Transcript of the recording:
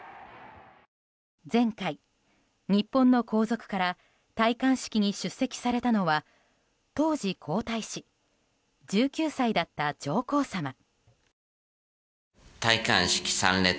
前回、日本の皇族から戴冠式に出席されたのは当時皇太子１９歳だった上皇さま。